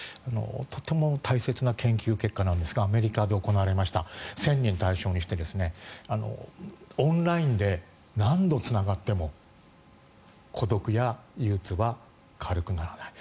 とても大切な研究結果なんですがアメリカで行われました１０００人を対象にしてオンラインで何度つながっても孤独や憂うつは軽くならない。